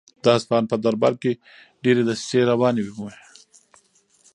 د اصفهان په دربار کې ډېرې دسیسې روانې وې.